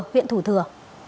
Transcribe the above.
huyện thủ thừa